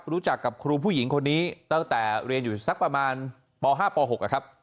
รู้จักกับครูผู้หญิงคนนี้ตั้งแต่เรียนอยู่สักประมาณป๕ป๖นะครับ